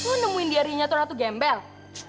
apa kamu nemuin dia rinyatoran atau gembel